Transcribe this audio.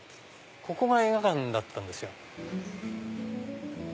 ここが映画館だったんですよ。